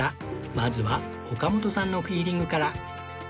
まずは岡本さんのフィーリングから